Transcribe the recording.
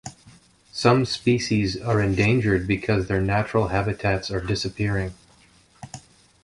Some species are endangered because their natural habitats are disappearing.